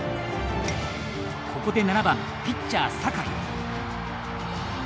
ここで７番・ピッチャー酒井。